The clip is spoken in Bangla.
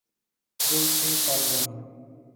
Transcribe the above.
বলতে পারব না।